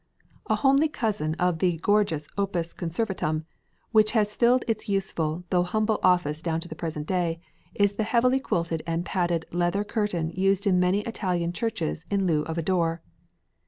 A homely cousin of the gorgeous opus conservetum, which has filled its useful though humble office down to the present day, is the heavy quilted and padded leather curtain used in many Italian churches in lieu of a door.